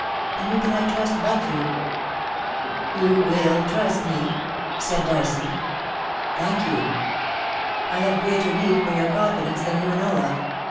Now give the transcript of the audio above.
And who can I trust but you ?You will trust me ?* said Dyson. * Thank you. I have greater need for your confidence than you know of.